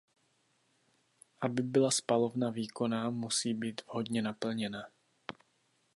Aby byla spalovna výkonná, musí být vhodně naplněna.